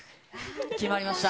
決まりました。